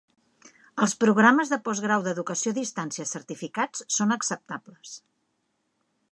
Els programes de postgrau d"educació a distància certificats són acceptables.